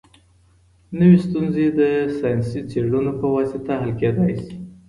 نوي ستونزي د ساینسي څېړنو په واسطه حل کيدای سي.